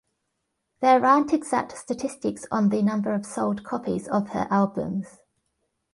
There aren't exact statistics on the number of sold copies of her albums.